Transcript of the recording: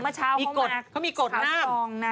เขามีกฎนะ